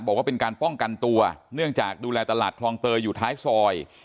บอกว่าเป็นการป้องกันตัวเนื่องจากดูแลตลาดคลองเตยอยู่ท้ายซอย